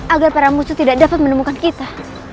agar para musuh tidak dapat menemukan kita